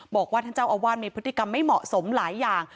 บอกว่าท่านเจ้าอาวาสมีพฤติกรรมไม่เหมาะสมหลายอย่าง